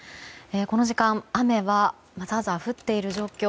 この時間雨はザーザー降っている状況。